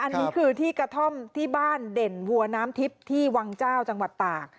อันนี้คือที่กระท่อมที่บ้านเด่นวัวน้ำทิพย์ที่วังเจ้าจังหวัดตาก